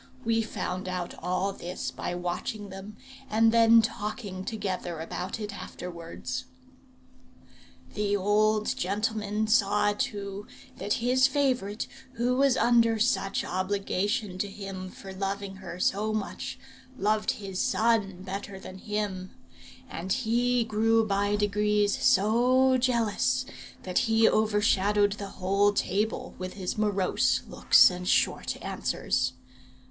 We found out all this by watching them, and then talking together about it afterwards. The old gentleman saw, too, that his favourite, who was under such obligation to him for loving her so much, loved his son better than him; and he grew by degrees so jealous that he overshadowed the whole table with his morose looks and short answers.